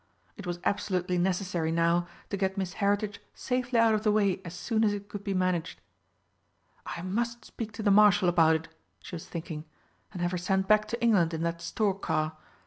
It was absolutely necessary now to get Miss Heritage safely out of the way as soon as it could be managed. "I must speak to the Marshal about it," she was thinking, "and have her sent back to England in that stork car.